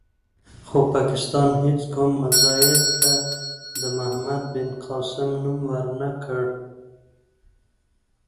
خو پاکستان هېڅ کوم میزایل ته د محمد بن قاسم نوم ور نه کړ.